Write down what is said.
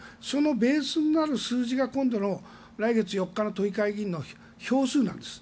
そのベースになる数字が今度の来月４日の都議会議員の票数なんです。